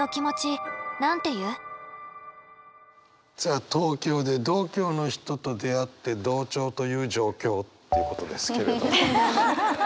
さあ東京で同郷の人と出会って同調という状況っていうことですけれども。